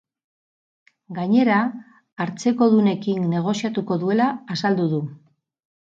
Gainera, hartzekodunekin negoziatuko duela azaldu du.